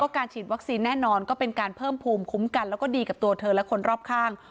การฉีดวัคซีนแน่นอนก็เป็นการเพิ่มภูมิคุ้มกันแล้วก็ดีกับตัวเธอและคนรอบข้าง